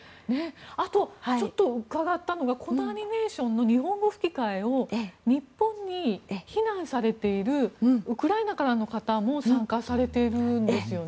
あと、ちょっと伺ったのがこのアニメーションの日本語吹き替えを日本に避難されているウクライナからの方も参加されているんですよね？